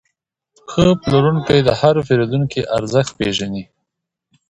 ښه پلورونکی د هر پیرودونکي ارزښت پېژني.